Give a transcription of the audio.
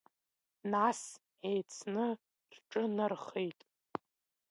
Нас еицны рҿынархеит.